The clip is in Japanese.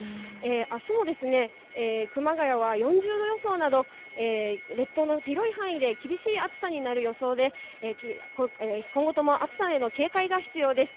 あすも熊谷は４０度予想など、列島の広い範囲で厳しい暑さになる予想で、今後とも、暑さへの警戒が必要です。